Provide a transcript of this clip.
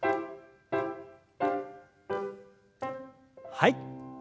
はい。